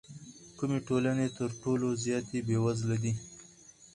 کومې ټولنې تر ټولو زیاتې بېوزله دي؟